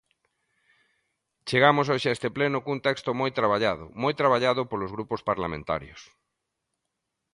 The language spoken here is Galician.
Chegamos hoxe a este pleno cun texto moi traballado, moi traballado polos grupos parlamentarios.